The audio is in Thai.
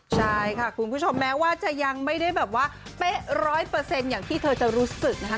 ใช่ค่ะคุณผู้ชมแม้ว่าจะยังไม่ได้แบบว่าเป๊ะร้อยเปอร์เซ็นต์อย่างที่เธอจะรู้สึกนะคะ